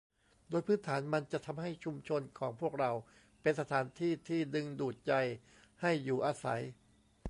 โดยพื้นฐาน มันจะทำให้ชุมชนของพวกเราเป็นสถานที่ที่ดึงดูดใจให้อยู่อาศัย